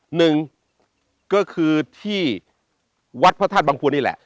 หนึ่งก็คือที่วัดพระธาตุบังควรนี่แหละ